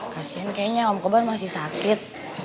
kasian kayaknya om kobar masih sakit